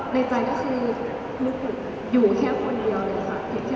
ในใจก็คือลูกอยู่แค่คนเดียวเลยค่ะ